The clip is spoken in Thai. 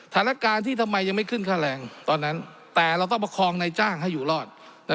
สถานการณ์ที่ทำไมยังไม่ขึ้นค่าแรงตอนนั้นแต่เราต้องประคองในจ้างให้อยู่รอด